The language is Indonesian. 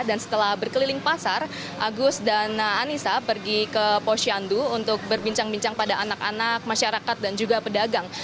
dan setelah berkeliling pasar agus dan anissa pergi ke posyandu untuk berbincang bincang pada anak anak masyarakat dan juga pedagang